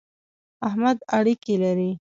احمد اړېکی لري.